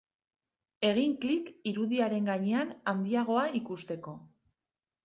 Egin klik irudiaren gainean handiagoa ikusteko.